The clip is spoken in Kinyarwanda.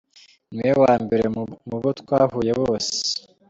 Ni wowe wa mbere mubo twahuye bose.